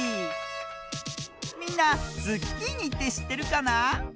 みんなズッキーニってしってるかな？